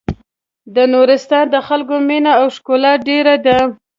د نورستان د خلکو مينه او ښکلا ډېره ده.